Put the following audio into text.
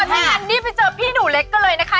ถ้างั้นนี่ไปเจอพี่หนูเล็กกันเลยนะคะ